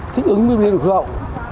thích ứng biến đổi khí hậu